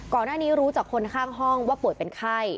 ก่อนหน้านี้รู้จากคนข้างห้องว่าป่วยเป็นไข้